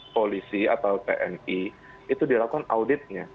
polisi atau tni itu dilakukan auditnya